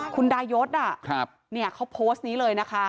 คุณดายศเขาโพสต์นี้เลยนะคะ